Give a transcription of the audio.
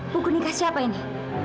buku nikah siapa ini